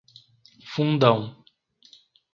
Fundão